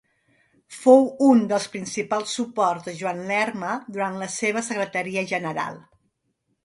Fou un dels principals suports de Joan Lerma durant la seva secretaria general.